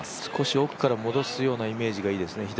少し置くから戻すようなイメージがいいですね